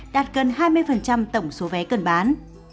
đạt gần hai mươi tổng số vé cần bán